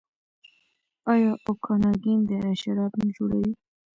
آیا اوکاناګن دره شراب نه جوړوي؟